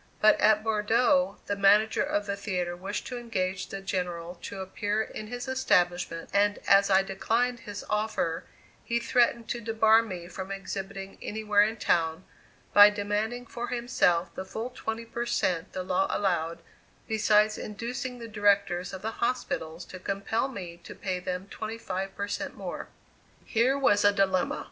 But at Bordeaux the manager of the theatre wished to engage the General to appear in his establishment, and as I declined his offer, he threatened to debar me from exhibiting anywhere in town, by demanding for himself the full twenty per cent the law allowed, besides inducing the directors of the hospitals to compel me to pay them twenty five per cent more. Here was a dilemma!